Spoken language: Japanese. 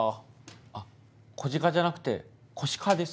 あっコジカじゃなくコシカです。